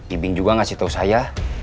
ibing juga ngasih tahu saya